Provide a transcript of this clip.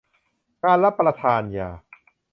การรับประทานยา